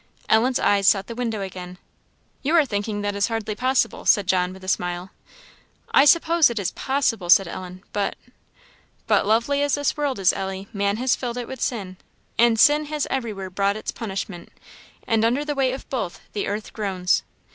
Ellen's eyes sought the window again. "You are thinking that it is hardly possible?" said John with a smile. "I suppose it is possible," said Ellen "but" "But lovely as this world is, Ellie, man has filled it with sin, and sin has everywhere brought its punishment, and under the weight of both the earth groans.